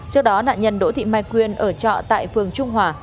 trước đó nạn nhân đỗ thị mai quyên ở trọ tại phường trung hòa